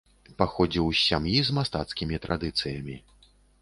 Паходзіў з сем'і з мастацкімі традыцыямі.